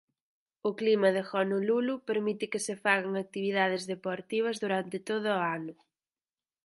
O clima de Honolulu permite que se fagan actividades deportivas durante todo o ano.